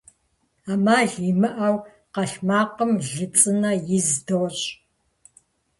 Ӏэмал имыӀэу, къэлътмакъым лы цӀынэ из дощӀ.